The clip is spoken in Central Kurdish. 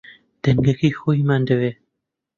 دەنگەکەی خۆیمان دەوێ